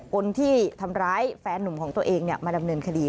คนที่ทำร้ายแฟนนุ่มของตัวเองมาดำเนินคดี